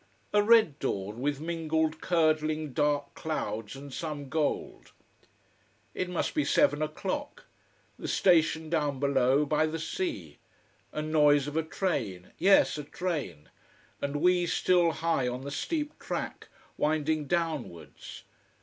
A red dawn, with mingled curdling dark clouds, and some gold. It must be seven o'clock. The station down below, by the sea. And noise of a train. Yes, a train. And we still high on the steep track, winding downwards.